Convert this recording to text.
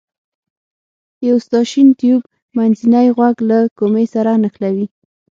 یو ستاشین تیوب منځنی غوږ له کومې سره نښلوي.